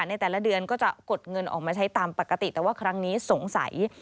ในแต่ละเดือนก็จะกดเงินออกมาใช้ตามปกติแต่ว่าครั้งนี้สงสัย